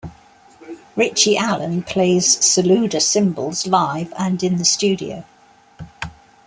Richie Alan plays Saluda cymbals live and in the studio.